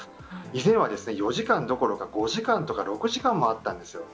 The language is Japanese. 以前は４時間どころか５時間とか６時間もあったんです。